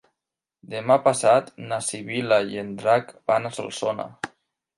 Demà passat na Sibil·la i en Drac van a Solsona.